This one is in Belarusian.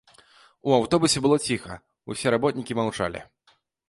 У аўтобусе было ціха, усе работнікі маўчалі.